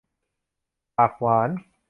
ปากหวาน